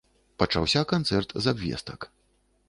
Пачаўся канцэрт з абвестак.